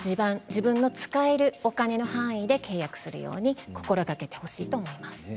自分が使えるお金の範囲で契約するように心がけてほしいと思います。